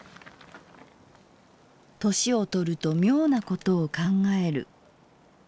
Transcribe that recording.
「齢をとると妙なことを考える。